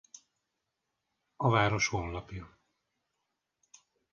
A város honlapja